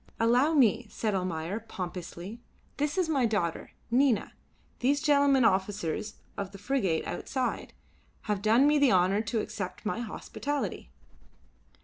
"Allow me," said Almayer, pompously. "This is my daughter. Nina, these gentlemen, officers of the frigate outside, have done me the honour to accept my hospitality."